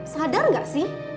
sadar gak sih